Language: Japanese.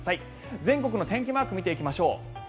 全国の天気マークを見ていきましょう。